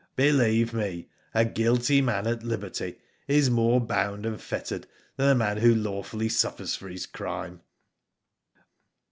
Believe me a guilty man at liberty is more bound and fettered than the man who lawfully suffers for his crime.''